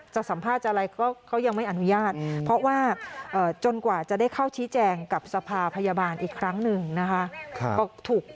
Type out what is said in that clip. สัมภาษณ์จะอะไรก็เขายังไม่อนุญาตเพราะว่าจนกว่าจะได้เข้าชี้แจงกับสภาพพยาบาลอีกครั้งหนึ่งนะคะ